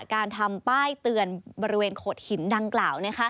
การทำป้ายเตือนบริเวณโขดหินดังกล่าว